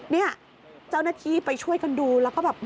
เนี่ยเจ้าหน้าที่ไปช่วยกันดูแล้วก็แบบ